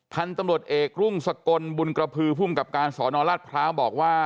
พันธุ์ตำรวจเอกรุ่งสกลบุญกระพือภูมิกับการสอนอรัฐพร้าวบอกว่า